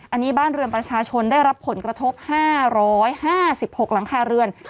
อันนี้บ้านเรือนประชาชนได้รับผลกระทบ๕๕๖หลังคาเรือน